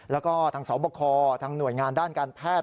แล้วก็ทางสอบคอทางหน่วยงานด้านการแพทย์